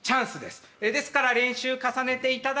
ですから練習重ねていただけば。